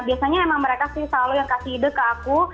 biasanya emang mereka sih selalu yang kasih ide ke aku